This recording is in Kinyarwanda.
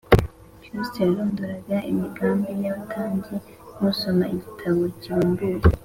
kristo yarondoraga imigambi y’abatambyi nk’usoma igitabo kibumbuye